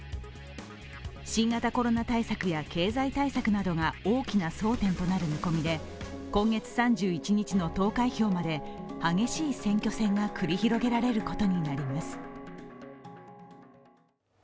新型コロナ対策や経済対策などが大きな争点となる見込みで今月３１日の投開票まで激しい選挙戦が繰り広げられることになります。